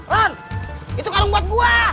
ron itu karung buat buah